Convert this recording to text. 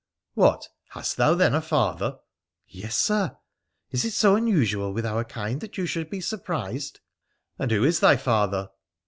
' What ! Hast thou, then, a father ?'' Yes, Sir. Is it so unusual with our kind that you should be surprised ?'' And who is thy father